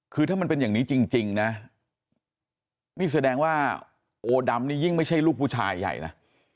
คือถ้ามันเป็นอย่างนี้จริงนะนี่แสดงว่าโอดำนี่ยิ่งไม่ใช่ลูกผู้ชายใหญ่นะ